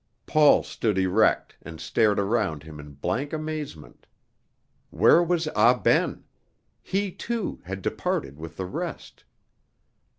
Paul stood erect, and stared around him in blank amazement. Where was Ah Ben? He too had departed with the rest.